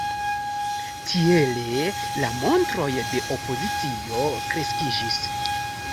Tiele la montroj de opozicio kreskiĝis.